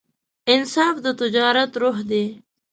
انصاف د تجارت روح دی.